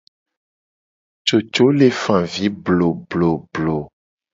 Coco le fa avi blobloblo.